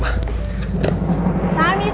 waktunya sudah habis